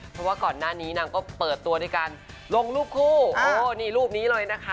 เพราะว่าก่อนหน้านี้นางก็เปิดตัวด้วยการลงรูปคู่โอ้นี่รูปนี้เลยนะคะ